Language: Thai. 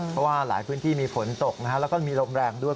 เพราะว่าหลายพื้นที่มีฝนตกแล้วก็มีลมแรงด้วย